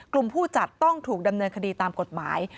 ผู้จัดต้องถูกดำเนินคดีตามกฎหมาย